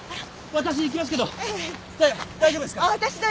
私大丈夫ですよ。